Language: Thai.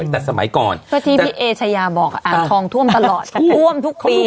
แต่สมัยก่อนก็ที่พี่เอชายาบอกอ่างทองท่วมตลอดแต่ท่วมทุกปี